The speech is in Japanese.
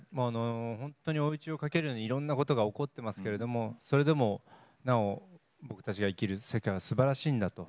本当に追い打ちをかけるようにいろんなことが起こっていますけれどそれでも僕たちが生きる世界はすばらしいんだ